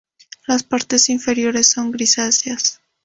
Las partes inferiores son grisáceas.